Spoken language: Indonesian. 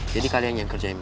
jadi kalian yang kerjain